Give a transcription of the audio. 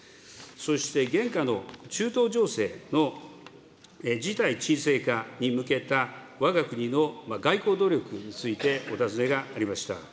そして、現下の中東情勢の事態鎮静化に向けたわが国の外交努力についてお尋ねがありました。